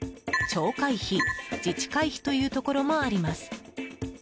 町会費、自治会費というところもあります。